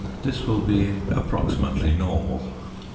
This will be approximately normal.